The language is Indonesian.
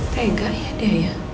tega ya dia ya